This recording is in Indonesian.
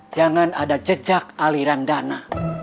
jangan ada jejak aliran dana